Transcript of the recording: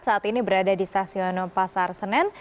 saat ini berada di stasiun pasar senen